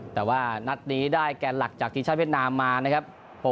แต่ว่านัดนี้ได้แกนหลักจากทีมชาติเวียดนามมานะครับ